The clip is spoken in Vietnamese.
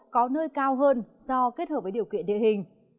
có nơi cao hơn do kết hợp với điều kiện địa hình